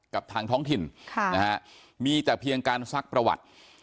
กับทางท้องถิ่นมีแต่เพียงการซักประวัติ